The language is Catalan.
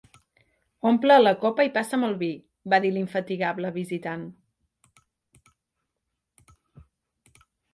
'Omple la copa i passa'm el vi', va dir l'infatigable visitant.